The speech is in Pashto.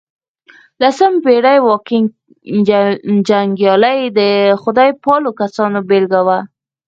لسمه پېړۍ واکینګ جنګيالي د خدای پالو کسانو بېلګه وه.